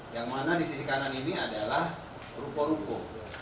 yang mana di sisi kanan ini adalah ruko ruko